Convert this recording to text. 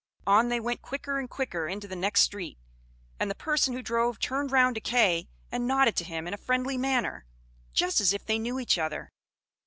On they went quicker and quicker into the next street; and the person who drove turned round to Kay, and nodded to him in a friendly manner, just as if they knew each other.